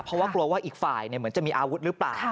เพราะกลัวว่าอีกฝ่ายมีอาวุธหรือเปล่า